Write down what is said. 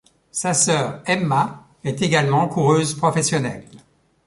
Sa sœur Emma est également coureuse professionnelle.